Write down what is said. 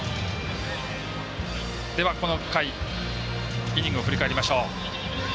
この回、イニングを振り返りましょう。